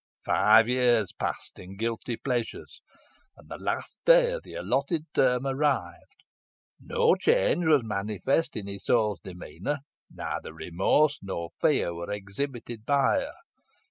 Five years passed in guilty pleasures, and the last day of the allotted term arrived. No change was manifest in Isole's demeanour; neither remorse nor fear were exhibited by her.